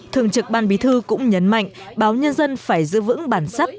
thường trực ban bí thư cũng nhấn mạnh báo nhân dân phải giữ vững bản sắc